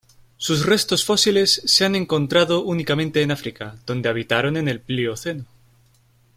Sus restos fósiles se han encontrados únicamente en África, donde habitaron en el Plioceno.